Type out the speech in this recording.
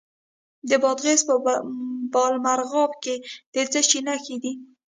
د بادغیس په بالامرغاب کې د څه شي نښې دي؟